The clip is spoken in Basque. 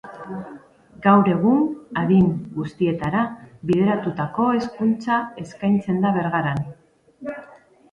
Gaur egun, adin guztietara bideratutako Hezkuntza eskaintzen da Bergaran.